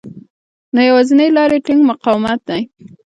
نو يوازېنۍ لاره يې ټينګ مقاومت دی.